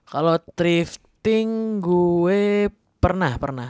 kalo drifting gue pernah pernah